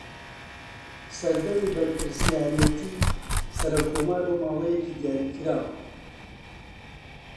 سەردەمی بەرپرسایەتی سەرۆککۆمار بۆ ماوەیەکی دیاریکراوە